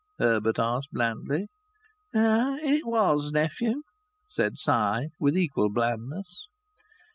Herbert asked blandly. "It was, nephew," said Si, with equal blandness.